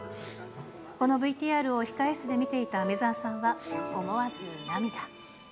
このＶＴＲを控え室で見ていた梅澤さんは思わず涙。